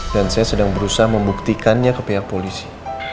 dan saya sedang berusaha membuktikannya ke pihak polisi